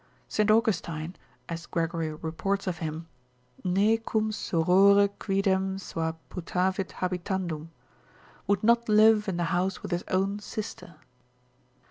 St. Austin, as Gregory reports of him, ne cum sorore quidem sua putavit habitandum, would not live in the house with his own sister.